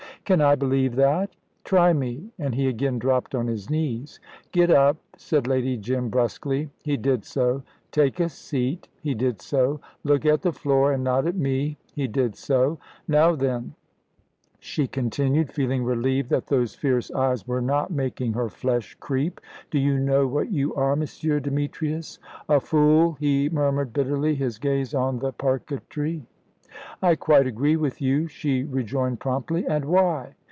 "Can I believe that?" "Try me," and he again dropped on his knees. "Get up," said Lady Jim, brusquely. He did so. "Take a seat!" He did so. "Look at the floor, and not at me." He did so. "Now then," she continued, feeling relieved that those fierce eyes were not making her flesh creep, "do you know what you are, Monsieur Demetrius?" "A fool," he murmured bitterly, his gaze on the parquetry. "I quite agree with you," she rejoined promptly. "And why?"